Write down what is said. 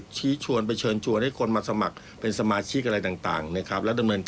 ของหนังสือพิมพ์ตำรวจพลเมือง